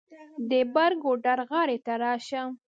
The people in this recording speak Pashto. د بر ګودر غاړې ته راشه.